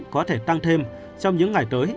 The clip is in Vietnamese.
có thể tăng thêm trong những ngày tới